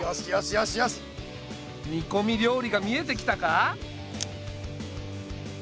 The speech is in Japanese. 煮こみ料理が見えてきたか？